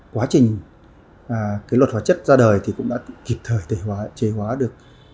quá trình cái luật hóa chất ra đời thì cũng đã kịp thời chế hóa được